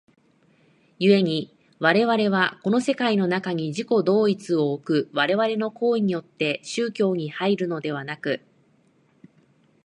故に我々はこの世界の中に自己同一を置く我々の行為によって宗教に入るのでなく、